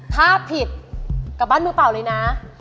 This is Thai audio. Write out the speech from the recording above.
ถ้าผิดกลับบ้านมือเปล่าเลยนะ